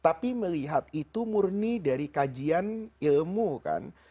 tapi melihat itu murni dari kajian ilmu kan